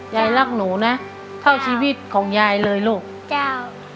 ยายรักหนูนะเท่าชีวิตของยายเลยลูกเจ้า